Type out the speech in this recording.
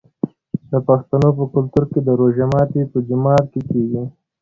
د پښتنو په کلتور کې د روژې ماتی په جومات کې کیږي.